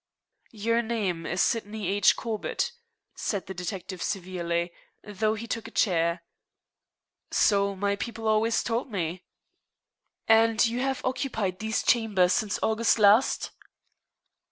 "Your name is Sydney H. Corbett?" said the detective severely, though he took a chair. "So my people always told me." "And you have occupied these chambers since August last?"